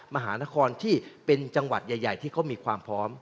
มหานครที่เป็นจังหวัดใหญ่ที่เขามีความพร้อม